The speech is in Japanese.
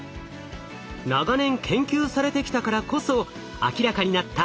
長年研究されてきたからこそ明らかになった